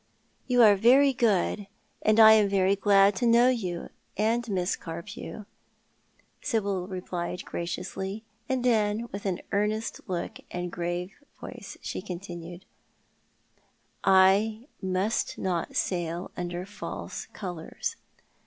" You are very good, and I am very glad to know you and Miss Carpew," Sibyl replied graciously, and then, with an earnest look and grave voice, she continued, "I must not sail under false colours.